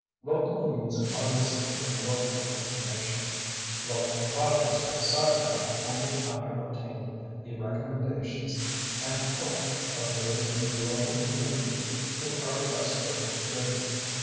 Local needs are listed from local information. Local projects are decided on only after obtaining the recommendations and help of those in the local community who are best able to give it.